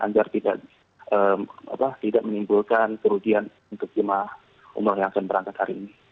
agar tidak menimbulkan kerugian untuk jemaah umroh yang akan berangkat hari ini